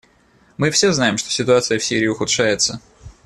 Мы все знаем, что ситуация в Сирии ухудшается.